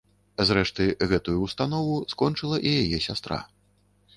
Зрэшты, гэтую ўстанову скончыла і яе сястра.